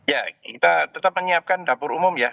ya kita tetap menyiapkan dapur umum ya